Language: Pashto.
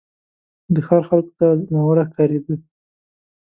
د ښار خلکو ته ناوړه ښکارېدی.